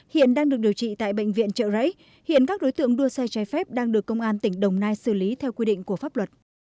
hiện đang được điều trị tại bệnh viện trợ rẫy hiện các đối tượng đua xe trái phép đang được công an tỉnh đồng nai xử lý theo quy định của pháp luật